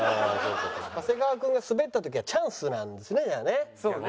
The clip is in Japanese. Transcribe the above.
長谷川君がスベった時はチャンスなんですねじゃあね。